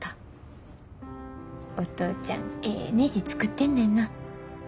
お父ちゃんええねじ作ってんねんな。